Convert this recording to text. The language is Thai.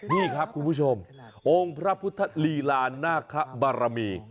นี่ครับคุณผู้ชมองค์พระพุทธลีลานาคบารมี